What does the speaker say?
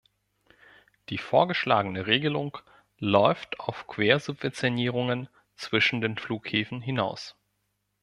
Die vorgeschlagene Regelung läuft auf Quersubventionierungen zwischen den Flughäfen hinaus.